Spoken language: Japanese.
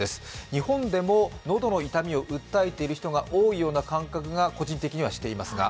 日本でも喉の痛みを訴えている人が多いような感覚が個人的にはしていますが。